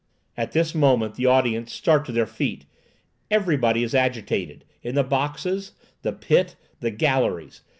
At this moment the audience start to their feet. Everybody is agitated—in the boxes, the pit, the galleries.